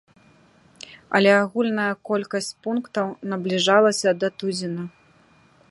Але агульная колькасць пунктаў набліжалася да тузіна.